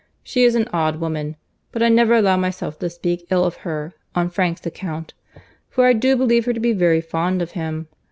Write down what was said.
—She is an odd woman!—But I never allow myself to speak ill of her, on Frank's account; for I do believe her to be very fond of him.